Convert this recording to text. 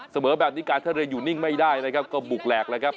เสมอแบบนี้การท่าเรืออยู่นิ่งไม่ได้นะครับก็บุกแหลกเลยครับ